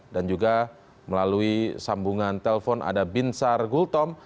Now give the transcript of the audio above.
dan juga melalui sambungan telpon ada binsar gultom